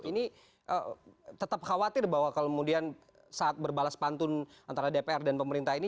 ini tetap khawatir bahwa kalau kemudian saat berbalas pantun antara dpr dan pemerintah ini